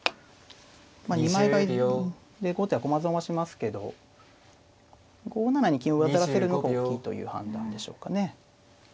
二枚替えで後手は駒損はしますけど５七に金を上ずらせるのが大きいという判断でしょうかね。